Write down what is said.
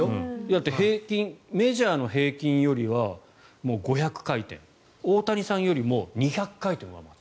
だってメジャーの平均より５００回転大谷さんよりも２００回転多い。